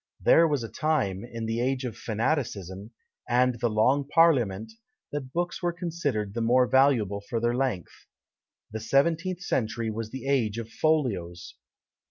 There was a time, in the age of fanaticism, and the Long Parliament, that books were considered the more valuable for their length. The seventeenth century was the age of folios.